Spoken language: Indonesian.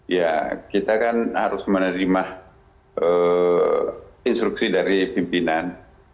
ya kita kan harus menerima instruksi dari pimpinan